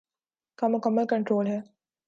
کا مکمل کنٹرول ہے۔